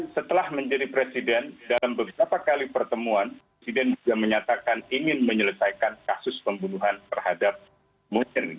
setelah menjadi presiden dalam beberapa kali pertemuan presiden juga menyatakan ingin menyelesaikan kasus pembunuhan terhadap munir